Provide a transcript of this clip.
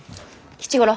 吉五郎。